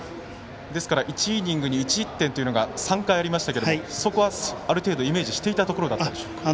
ですから１イニングに１失点というのが３回ありましたけどある程度イメージしていたことだったのでしょうか。